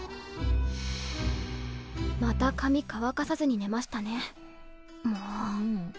また髪乾かさずに寝ましたね